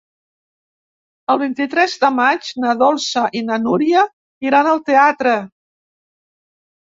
El vint-i-tres de maig na Dolça i na Núria iran al teatre.